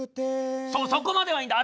そうそこまではいいんだ。